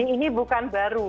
ini bukan baru